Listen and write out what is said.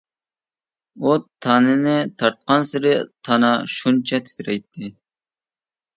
ئۇ تانىنى تارتقانسېرى، تانا شۇنچە تىترەيتتى.